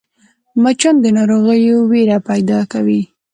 مچان د ناروغۍ وېره پیدا کوي